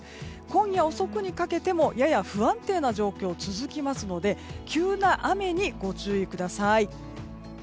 今夜遅くにかけてもやや不安定な状況続きますので急な雨にご注意ください。